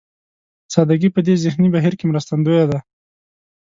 سادهګي په دې ذهني بهير کې مرستندوی دی.